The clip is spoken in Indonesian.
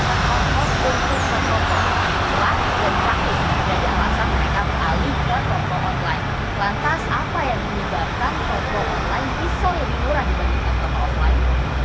lantas apa yang menyebabkan kompos online bisa lebih murah dibandingkan kompos online